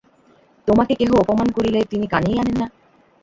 তােমাকে কেহ অপমান করিলে তিনি কানেই আনেন না।